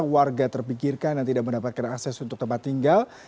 warga terpikirkan dan tidak mendapatkan akses untuk tempat tinggal